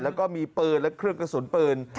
แล้วก็มีปืนและเครื่องกระสุนปืน